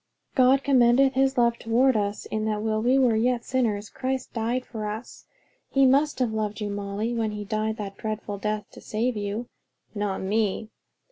'God commendeth his love toward us, in that while we were yet sinners, Christ died for us.' He must have loved you, Molly, when he died that dreadful death to save you." "Not me."